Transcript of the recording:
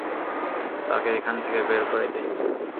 তাকে এখান থেকে বের করে দেই।